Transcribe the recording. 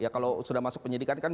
kalau sudah masuk penyidikan